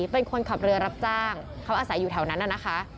เป็นคนขับเรือรับจ้างเขาอาศัยอยู่แถวนั้นน่ะนะคะ